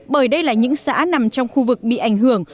bởi đây là những xã nằm trong khu vực bị ảnh hưởng